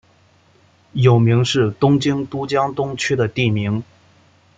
有明是东京都江东区的地名。